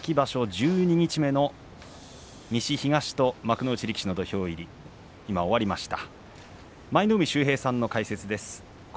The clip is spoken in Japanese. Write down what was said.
十二日目西東と幕内力士の土俵入り今、終わりました。